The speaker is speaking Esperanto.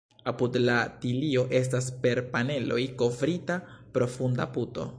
Apud la tilio estas per paneloj kovrita profunda puto.